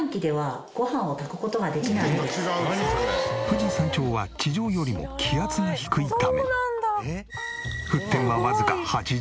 富士山頂は地上よりも気圧が低いため沸点はわずか８７度。